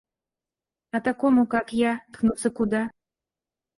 А такому, как я, ткнуться куда?